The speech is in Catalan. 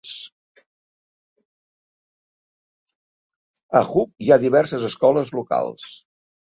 A Hook, hi ha diverses escoles locals.